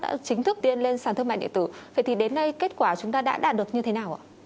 đã chính thức tiên lên sàn thương mại điện tử vậy thì đến nay kết quả chúng ta đã đạt được như thế nào ạ